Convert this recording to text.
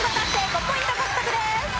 ５ポイント獲得です。